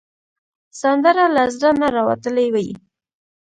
سندره له زړه نه راوتلې وي